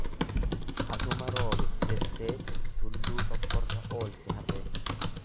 Asuma roobe jetteeti tulluu tokkorra oolte harreen.